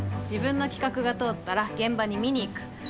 自分の企画が通ったら現場に見に行く。